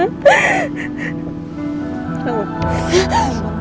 tapi kau sampai kemana